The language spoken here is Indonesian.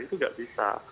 itu tidak bisa